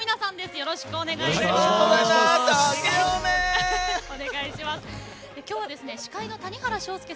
よろしくお願いします。